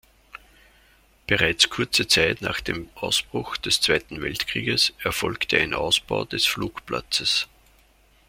Bereits kurze Zeit nach dem Ausbruch des Zweiten Weltkrieges erfolgte ein Ausbau des Flugplatzes.